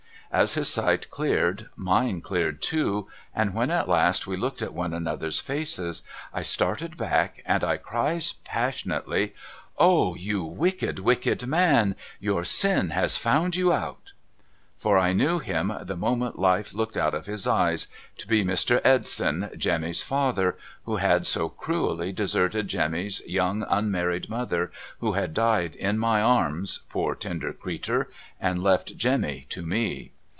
As his sight cleared, mine cleared too, and when at last we looked in one another's faces, I started back and I cries passionately :' O you wicked wicked man ! Your sin has found you out !' For I knew him, the moment life looked out of his eyes, to be Mr. Edson, Jemmy's father who had so cruelly deserted Jemmy's 372 MRS. LIRRIPER'S LEGACY young unmarried mother who had died in my arms, poor tender creetur, and loft Jemmy to me.